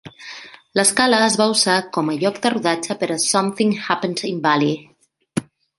L'escala es va usar com a lloc de rodatge per a "Something Happened in Bali".